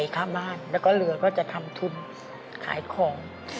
ก็จะทำทุนขายของ